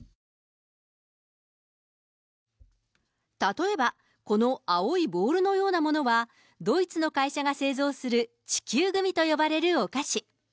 例えば、この青いボールのようなものは、ドイツの会社が製造する、地球グミと呼ばれるお菓子。